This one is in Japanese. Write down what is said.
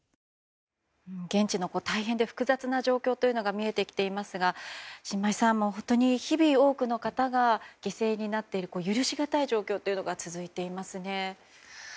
現地の大変で複雑な状況が見えてきていますが申真衣さん、日々多くの方が犠牲になっている許しがたい状況が続いていますね。